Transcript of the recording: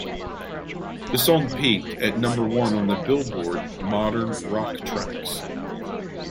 The song peaked at number one on the "Billboard" Modern Rock Tracks.